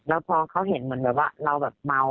แล้วพอเขาเห็นเหมือนแบบว่าเราแบบเมา